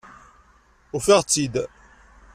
Ufiɣ-tt-id.